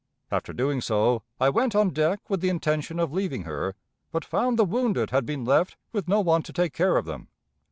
After doing so, I went on deck with the intention of leaving her, but found the wounded had been left with no one to take care of them.